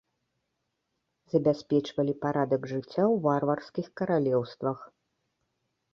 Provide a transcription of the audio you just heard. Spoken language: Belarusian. Забяспечвалі парадак жыцця ў варварскіх каралеўствах.